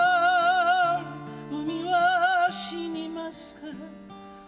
「海は死にますか」